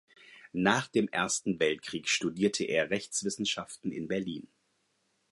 Nach dem Ersten Weltkrieg studierte er Rechtswissenschaften in Berlin.